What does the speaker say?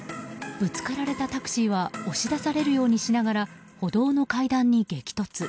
ぶつかられたタクシーは押し出されるようにしながら歩道の階段に激突。